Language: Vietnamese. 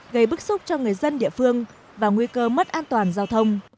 gây bức xúc cho người dân địa phương và nguy cơ mất an toàn giao thông